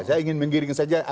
saya ingin mengirikan saja